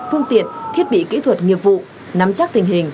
phương tiện thiết bị kỹ thuật nghiệp vụ nắm chắc tình hình